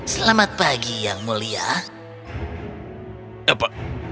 selamat pagi yang mulia